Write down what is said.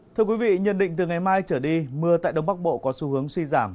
thưa quý vị nhận định từ ngày mai trở đi mưa tại đông bắc bộ có xu hướng suy giảm